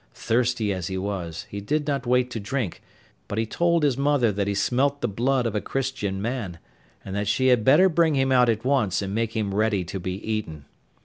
Thirsty as he was, he did not wait to drink, but he told his mother that he smelt the blood of a Christian man, and that she had better bring him out at once and make him ready to be eaten.